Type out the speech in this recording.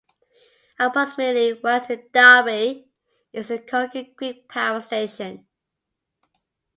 Approximately west of Dalby is the Kogan Creek Power Station.